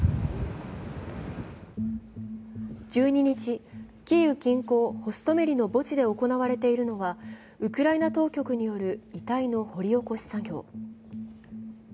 １２日、キーウ近郊、ホストメリの墓地で行われているのはウクライナ当局による遺体の掘り起こし作業。